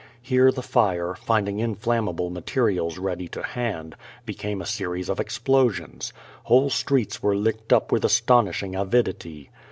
Here the fire, finding inflammable materials ready to hand, became a scries of explosions. Whole streets were licked up with as tonishing avidity.